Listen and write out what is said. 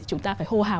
chúng ta phải hô hào